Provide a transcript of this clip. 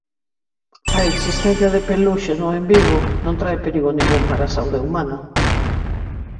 A existencia de peluxe no embigo non trae perigo ningún para a saúde humana.